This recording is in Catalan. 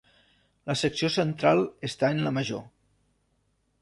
La secció central està en la major.